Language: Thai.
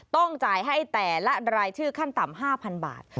ต้องจ่ายให้แต่ละรายชื่อขั้นต่ำ๕๐๐บาท